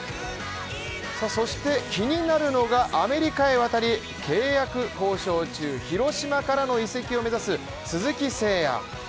そして気になるのがアメリカへ渡り契約交渉中、広島からの移籍を目指す鈴木誠也。